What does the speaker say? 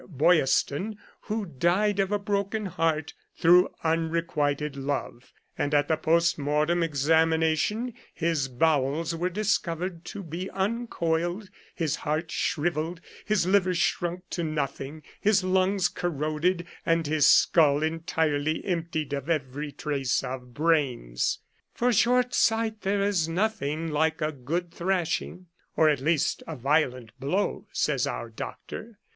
Boaysten, who died of a broken heart through unrequited love ; and, at the post mortem examination, his bowels were discovered to be uncoiled, his heart shrivelled, his liver shrunk to nothing, his lungs corroded, and his skull entirely emptied of every trace of brains. For short sight there is nothing like a good thrashing, or at least a violent blow, says our doctor.